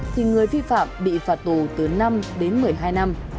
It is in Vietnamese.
thì người vi phạm bị phạt tù từ năm đến một mươi hai năm